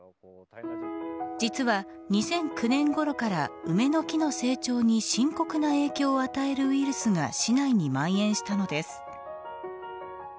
実は２００９年ごろから梅の木の成長に深刻な影響を与えるウイルスが市内にまん延したのです。